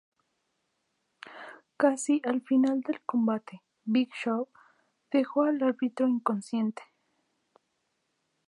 Casi al final del combate, Big Show dejó al árbitro inconsciente.